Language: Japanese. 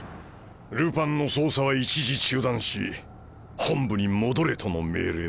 ルパンの捜査は一時中断し本部に戻れとの命令だ。